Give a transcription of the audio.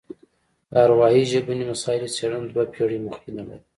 د اروايي ژبني مسایلو څېړنه دوه پېړۍ مخینه لري